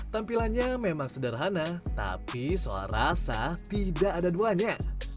tampilannya memang sederhana tapi soal rasa tidak ada duanya